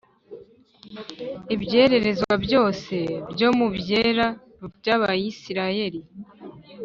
Ibyererezwa byose byo mu byera by’ Abisirayeli